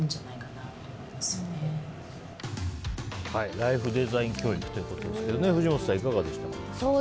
ライフデザイン教育ということですが藤本さん、いかがですか。